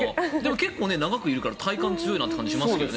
結構長くいるから体幹強いなという感じがしますね。